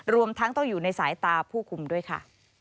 รวมทั้งต้องอยู่ในสายตาผู้คุมด้วยค่ะ